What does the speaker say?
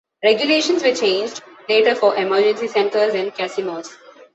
Regulations were changed later for emergency centers and casinos.